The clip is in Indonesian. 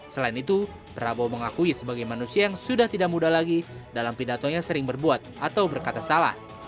selain itu prabowo mengakui sebagai manusia yang sudah tidak muda lagi dalam pidatonya sering berbuat atau berkata salah